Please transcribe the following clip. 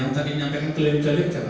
yang tadi nyampaikan keliling keliling siapa